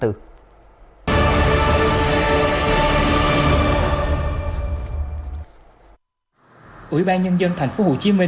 ủy ban nhân dân tp hcm